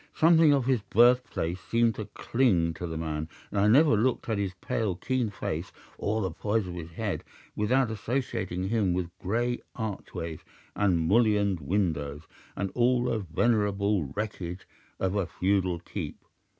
Something of his birthplace seemed to cling to the man, and I never looked at his pale, keen face or the poise of his head without associating him with grey archways and mullioned windows and all the venerable wreckage of a feudal keep.